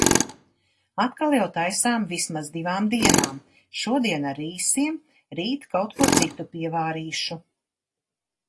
Atkal jau taisām vismaz divām dienām. Šodien ar rīsiem, rīt kaut ko citu pievārīšu.